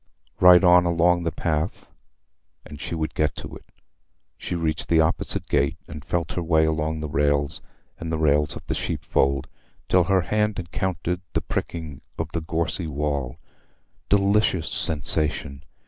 Right on along the path, and she would get to it. She reached the opposite gate, and felt her way along its rails and the rails of the sheep fold, till her hand encountered the pricking of the gorsy wall. Delicious sensation!